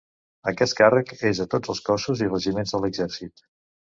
Aquest càrrec és a tots els cossos i regiments de l'exèrcit.